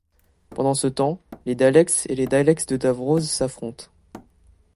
Pendant ce temps, les Daleks et les Daleks de Davros s'affrontent.